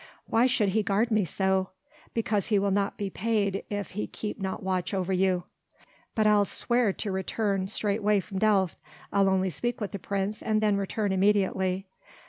"Why should he guard me so?" "Because he will not be paid if he keep not watch over you." "But I'll swear to return straightway from Delft. I'll only speak with the Prince and return immediately....